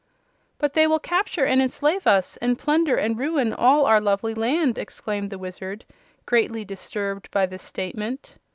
"But they will capture and enslave us, and plunder and ruin all our lovely land!" exclaimed the Wizard, greatly disturbed by this statement.